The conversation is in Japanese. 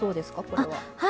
これは。